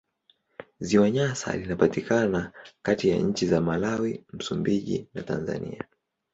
Ziwa Nyasa linapatikana kati ya nchi za Malawi, Msumbiji na Tanzania.